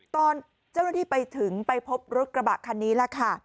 ตอนเจ้าหน้าที่ไปถึงไปพบรถกระบะคันนี้แหละค่ะ